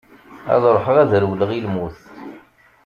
Ad ruḥeγ ad rewleγ i lmut.